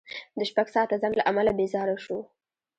د شپږ ساعته ځنډ له امله بېزاره شوو.